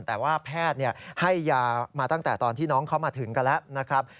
แต่ว่าแพทย์ให้ยามาตั้งแต่ตอนที่น้องเขามาถึงกันแล้วนะครับ